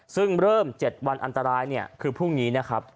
ซึ่งเริ่ม๗วันอันตรายคือพรุ่งนี้